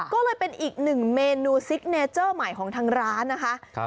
ก็เลยเป็นอีกหนึ่งเมนูซิกเนเจอร์ใหม่ของทางร้านนะคะ